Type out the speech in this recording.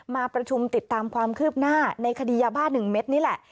มาประชุมติดตามความคืบหน้าในคดียาบ้า๑เม็ดนี่แหละ